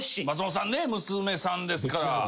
松本さんね娘さんですから。